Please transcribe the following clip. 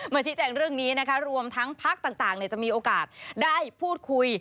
ชี้แจงเรื่องนี้นะคะรวมทั้งพักต่างจะมีโอกาสได้พูดคุย